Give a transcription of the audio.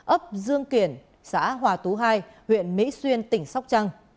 ấp dương kiển xã hòa tú hai huyện mỹ xuyên tỉnh sóc trăng